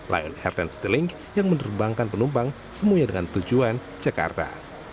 lion hair and stealing yang menerbangkan penumpang semuanya dengan tujuan jakarta